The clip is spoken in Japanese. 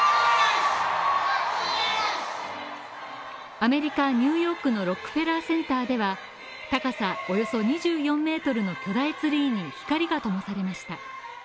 アメリカ・ニューヨークのロックフェラーセンターでは、高さおよそ２４ｍの巨大ツリーに光がともされました。